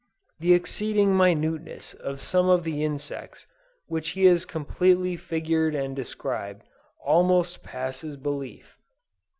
The exceeding minuteness of some of the insects which he has completely figured and described, almost passes belief.